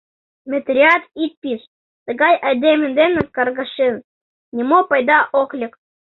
Метриат ит пиж, тыгай айдеме дене каргашен, нимо пайда ок лек...